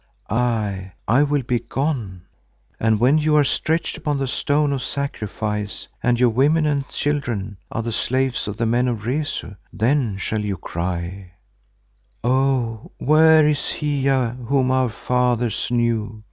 Aye, I will begone, and when you are stretched upon the stone of sacrifice, and your women and children are the slaves of the men of Rezu, then shall you cry, "'Oh, where is Hiya whom our fathers knew?